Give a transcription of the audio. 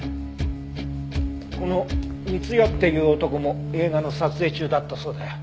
この三ツ矢っていう男も映画の撮影中だったそうだよ。